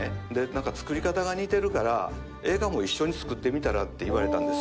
何か作り方が似てるから映画も一緒に作ってみたら？って言われたんですよ。